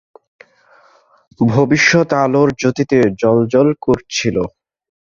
ভবিষ্যৎ আলোর জ্যোতিতে জ্বলজ্বল করছিল।